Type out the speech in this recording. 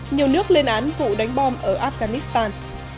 nhiều nước lên án vụ đánh bom ở afghanistan